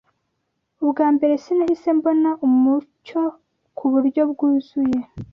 Ubwa mbere sinahise mbona umucyo ku buryo bwuzuye.